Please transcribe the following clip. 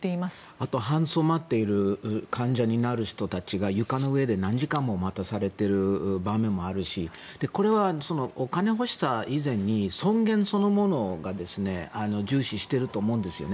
あと搬送を待っている患者になる人たちが床の上で何時間も待たされている場面もあるしこれはお金欲しさ以前に尊厳そのものを重視していると思うんですよね。